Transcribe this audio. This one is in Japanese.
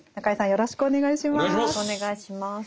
よろしくお願いします。